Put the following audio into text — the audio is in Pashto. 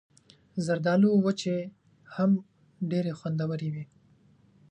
زردالو وچې هم ډېرې خوندورې وي.